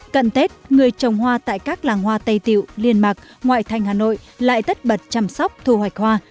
cận tết người trồng hoa tại các làng hoa tây tiệu liên mạc ngoại thành hà nội lại tất bật chăm sóc thu hoạch hoa